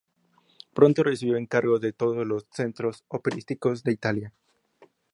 Pronto recibió encargos de todos los centros operísticos de Italia.